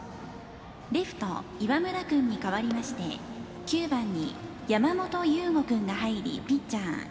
レフト岩村君に代わりまして９番に山本由吾君が入りピッチャー。